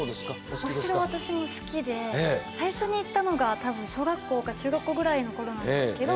私も好きで最初に行ったのが多分小学校か中学校ぐらいの頃なんですけど。